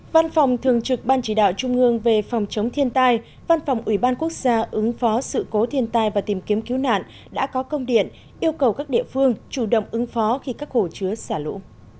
văn phòng thường trực ban chỉ đạo trung ương về phòng chống thiên tai văn phòng ủy ban quốc gia ứng phó sự cố thiên tai và tìm kiếm cứu nạn đã có công điện yêu cầu các địa phương chủ động ứng phó khi các hồ chứa xả lũ